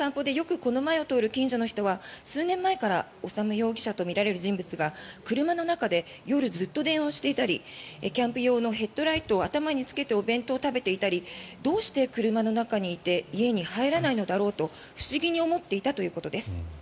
犬の散歩でよくこの前を通る近所の人は数年前から修容疑者とみられる人物が車の中で夜、ずっと電話をしていたりキャンプ用のヘッドライトを頭につけてお弁当を食べていたりどうして車の中にいて家に入らないのだろうと不思議に思っていたということです。